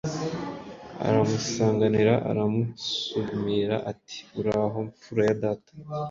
aramusanganira, aramusumira ati Uraho mfura ya data?”